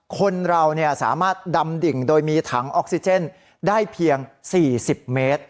คนเราสามารถดำดิ่งโดยมีถังออกซิเจนได้เพียง๔๐เมตร